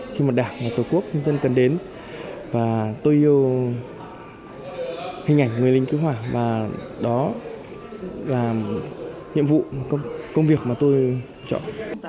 khi mà đảng và tổ quốc nhân dân cần đến và tôi yêu hình ảnh người lính cứu hỏa và đó là nhiệm vụ công việc mà tôi chọn